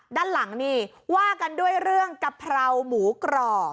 ด้านหลังนี่ว่ากันด้วยเรื่องกะเพราหมูกรอบ